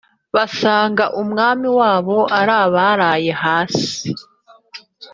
basanga umwami wabo arambaraye hasi